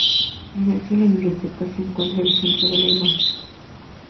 Anexo a la biblioteca se encuentra el Centro de la Imagen.